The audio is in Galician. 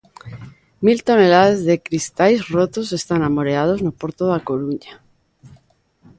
Mil toneladas de cristais rotos están amoreados no porto da Coruña.